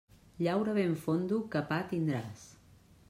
Llaura ben fondo, que pa tindràs.